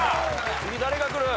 次誰がくる？